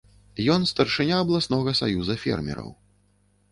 Ён старшыня абласнога саюза фермераў.